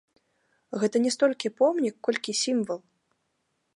Гэта не столькі помнік, колькі сімвал.